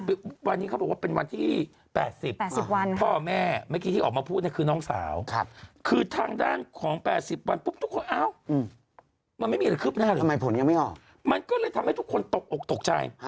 มันก็เลยทำให้ทุกคนนี่ตกไล่